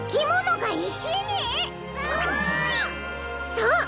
そう！